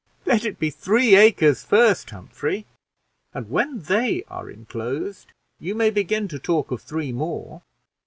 Let it be three acres first, Humphrey; and when they are inclosed, you may begin to talk of three more."